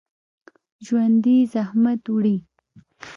ژوندي زحمت وړي